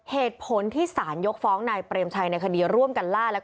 เหตุผลที่สารยกฟ้องนายเปรมชัยในคดีร่วมกันล่าและ